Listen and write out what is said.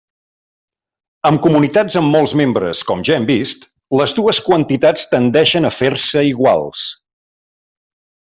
Amb comunitats amb molts membres, com ja hem vist, les dues quantitats tendeixen a fer-se iguals.